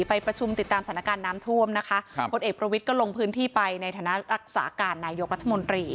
ไปประชุมติดตามสถานการณ์น้ำท่วมนะคะครับพลเอกประวิทย์ก็ลงพื้นที่ไปในฐานะรักษาการนายกรัฐมนตรี